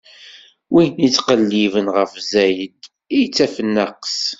Win ittqelliben ɣef zzayed, ittaf nnaqes.